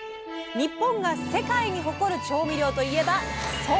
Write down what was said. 日本が世界に誇る調味料といえばそう！